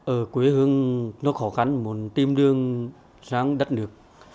ở quê hương nó khó khăn muốn tìm đường sang đất nước